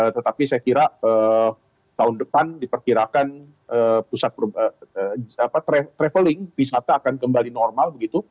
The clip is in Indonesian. tetapi saya kira tahun depan diperkirakan pusat traveling wisata akan kembali normal begitu